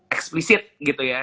eksplisit gitu ya